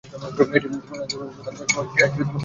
এটি প্রণয়ধর্মী উপাদান সহ একটি পারিবারিক নাটক।